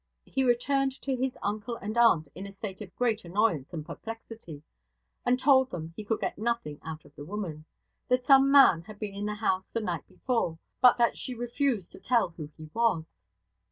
He returned to his uncle and aunt in a state of great annoyance and perplexity, and told them he could get nothing out of the woman; that some man had been in the house the night before; but that she refused to tell who he was.